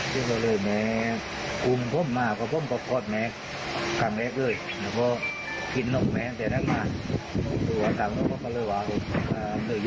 คือแหมเขาบอกนะครับว่าเกิดตามหาดตรงจานดี